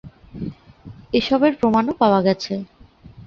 এসবের প্রমাণও পাওয়া গেছে।